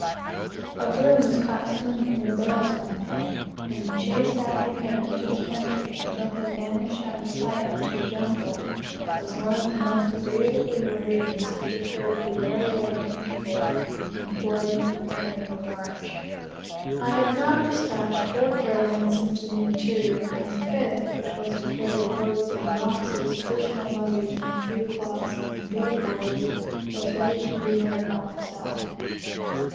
A groom was caught stealing from the bales, one night, and the chase after him into the country until he vanished out of sight into the jungle, was one of the most agreeable diversions which occurred to wear away the interval employed in preparing for the march. I had now despatched four caravans into the interior, and the fifth, which was to carry the boats and boxes, personal luggage, and a few cloth and bead loads, was ready to be led by myself.